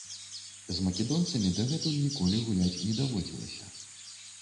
З македонцамі дагэтуль ніколі гуляць не даводзілася.